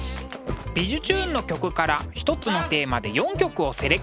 「びじゅチューン！」の曲から一つのテーマで４曲をセレクト。